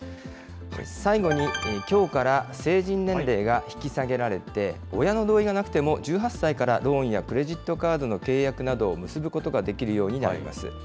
最後に、きょうから成人年齢が引き下げられて、親の同意がなくても１８歳からローンやクレジットカードの契約などを結ぶことができるようになります。